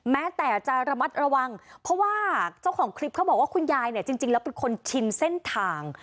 แม้แต่จะระมัดระวังเพราะว่าเจ้าของคลิปเขาบอกว่าคุณยายเนี่ยจริงแล้วเป็นคนชินเส้นทาง